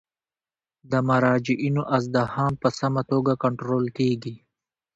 د مراجعینو ازدحام په سمه توګه کنټرول کیږي.